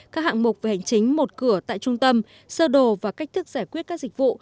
các hạng mục về hành chính một cửa tại trung tâm sơ đồ và cách thức giải quyết các dịch vụ